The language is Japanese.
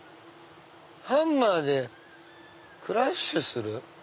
ハンマーでクラッシュする？